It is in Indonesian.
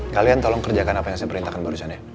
kalian tolong kerjakan apa yang saya perintahkan barusan ya